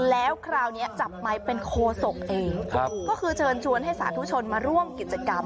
แล้วคราวนี้จับไมค์เป็นโคศกเองก็คือเชิญชวนให้สาธุชนมาร่วมกิจกรรม